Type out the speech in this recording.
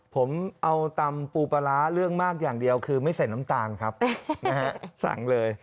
ผมเอาตำปูปลาร้าเรื่องมากอย่างเดียวคือไม่ใส่น้ำตาลครับนะฮะสั่งเลย